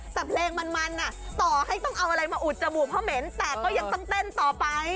แต่เพลงมันมันต่อให้ต้องเอาอะไรมาอุดจมูกเขาเหม็นแต่ก็ยังต้องเต้นต่อไป